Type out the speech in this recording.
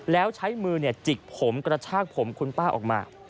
แล้วใช้มือจิกผมกระชากผมคุณป้าออกมา